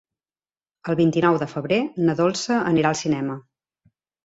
El vint-i-nou de febrer na Dolça anirà al cinema.